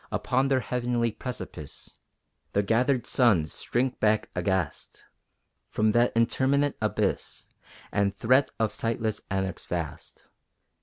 Upon their heavenly precipice The gathered suns shrink back aghast From that interminate abyss, And threat of sightless anarchs vast.